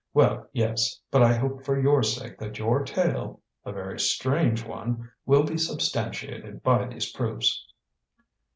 "Well, yes; but I hope for your sake that your tale a very strange one will be substantiated by these proofs."